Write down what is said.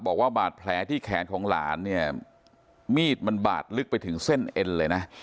บอกว่าบาดแผลที่แขนของหลานเนี่ยมีดมันบาดลึกไปถึงเส้นเอ็นเลยนะ